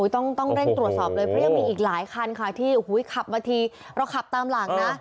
ต้องเร่งตรวจสอบเลยเพราะยังมีอีกหลายคันค่ะที่ขับมาทีเราขับตามหลังนะ